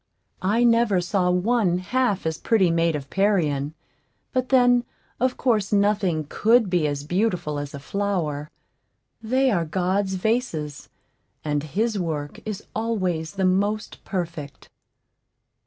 I never saw one half as pretty made of Parian; but, then, of course nothing could be as beautiful as a flower; they are God's vases, and his work is always the most perfect.